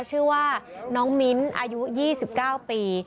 ชื่อว่าน้องมิ้นอายุ๒๙ปี